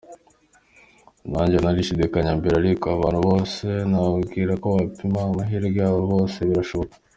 Nanjye narashidikanya mbere, ariko abantu bose nababwira ko bapima amahirwe yabo byose birashoboka.